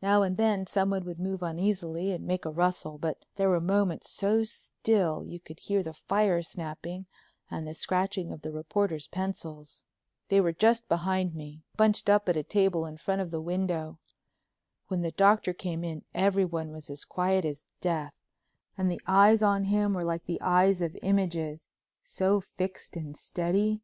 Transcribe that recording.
Now and then someone would move uneasily and make a rustle, but there were moments so still you could hear the fire snapping and the scratching of the reporters' pencils. They were just behind me, bunched up at a table in front of the window. When the Doctor came in everyone was as quiet as death and the eyes on him were like the eyes of images, so fixed and steady.